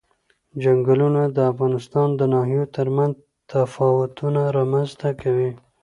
چنګلونه د افغانستان د ناحیو ترمنځ تفاوتونه رامنځ ته کوي.